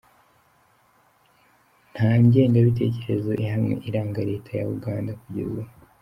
Nta ngengabitekerezo ihamye iranga Leta ya Uganda kugeza ubu.